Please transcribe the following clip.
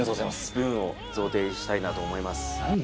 スプーンを贈呈したいなと思います